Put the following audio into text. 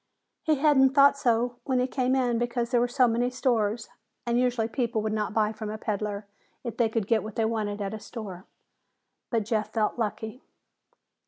He hadn't thought so when he came in because there were many stores, and usually people would not buy from a peddler if they could get what they wanted at a store. But Jeff felt lucky.